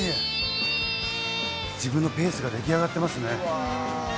自分のペースが出来上がってますね。